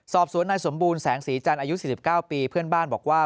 สอบสวนนายสมบูรณแสงสีจันทร์อายุ๔๙ปีเพื่อนบ้านบอกว่า